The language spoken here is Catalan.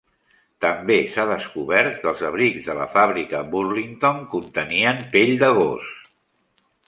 També s'ha descobert que els abrics de la fàbrica Burlington contenien pell de gos.